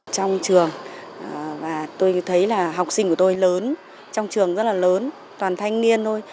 trong trường và tôi thấy là học sinh của tôi lớn trong trường rất là lớn toàn thanh niên thôi